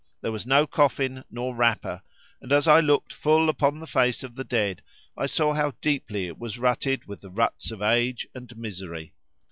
There was no coffin nor wrapper, and as I looked full upon the face of the dead I saw how deeply it was rutted with the ruts of age and misery.